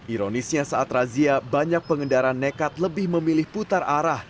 ironisnya saat razia banyak pengendara nekat lebih memilih putar arah